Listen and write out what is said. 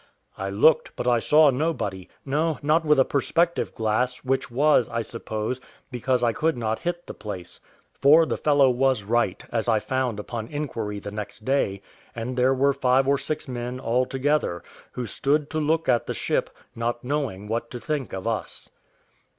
I looked, but I saw nobody, no, not with a perspective glass, which was, I suppose, because I could not hit the place: for the fellow was right, as I found upon inquiry the next day; and there were five or six men all together, who stood to look at the ship, not knowing what to think of us.